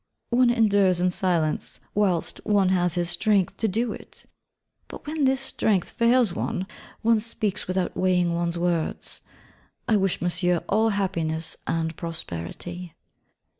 One endures in silence whilst one has his strength to do it. But when this strength fails one, one speaks without weighing one's words. I wish Monsieur all happiness and prosperity.